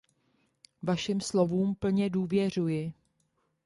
Vašim slovům plně důvěřuji.